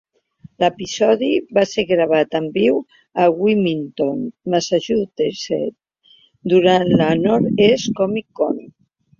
L'episodi va ser gravat en viu a Wilmington, Massachusetts durant la North East ComicCon.